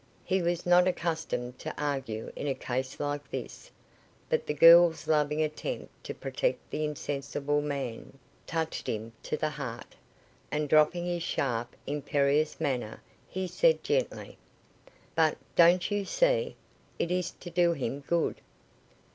He was not accustomed to argue in a case like this, but the girl's loving attempt to protect the insensible man, touched him to the heart; and dropping his sharp, imperious manner, he said gently: "But, don't you see? It is to do him good."